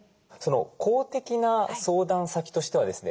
公的な相談先としてはですね